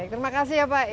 terima kasih ya pak ya